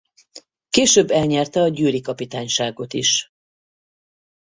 Később elnyerte a győri kapitányságot is.